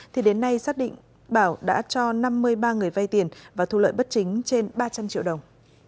thì đến nay xác định bảo đã cho năm mươi ba người vay tiền và thu lợi bất chính trên ba trăm linh triệu đồng